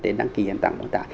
để đăng ký hiện tạng mô tả